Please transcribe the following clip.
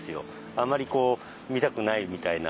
あまりこう見たくないみたいな。